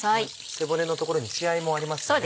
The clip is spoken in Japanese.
背骨の所に血合いもありますしね。